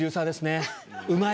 うまい！